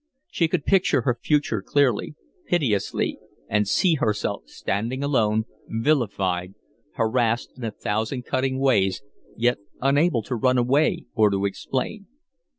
She could picture her future clearly, pitilessly, and see herself standing alone, vilified, harassed in a thousand cutting ways, yet unable to run away, or to explain.